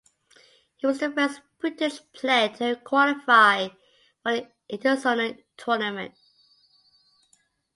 He was the first British player to qualify for an Interzonal tournament.